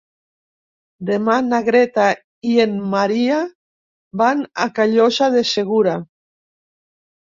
Demà na Greta i en Maria van a Callosa de Segura.